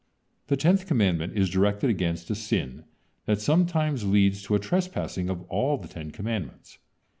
The tenth commandment is directed against a sin that sometimes leads to a trespassing of all the Ten Commandments.